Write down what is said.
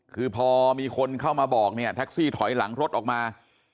คือพอมีคนเข้ามาบอกเนี่ยแท็กซี่ถอยหลังรถออกมา